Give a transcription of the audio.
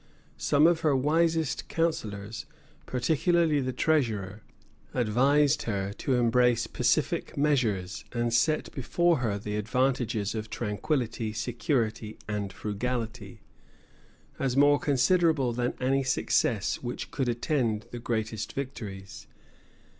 Some of her wisest counsellors, particularly the treasurer, advised her to embrace pacific measures; and set before her the advantages of tranquillity, security, and frugality, as more considerable than any success which could attend the greatest victories.